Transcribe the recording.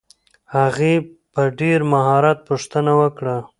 هغې په ډېر مهارت پوښتنه وکړه.